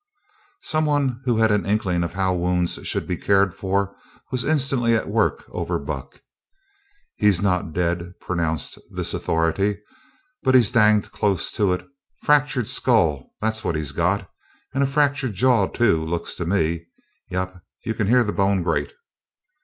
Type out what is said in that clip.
Someone who had an inkling of how wounds should be cared for was instantly at work over Buck. "He's not dead," pronounced this authority, "but he's danged close to it. Fractured skull, that's what he's got. And a fractured jaw, too, looks to me. Yep, you can hear the bone grate!"